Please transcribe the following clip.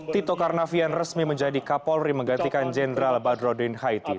tito karnavian resmi menjadi kapolri menggantikan jendral badroddin haiti